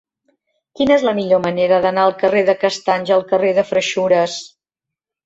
Quina és la millor manera d'anar del carrer de Castanys al carrer de Freixures?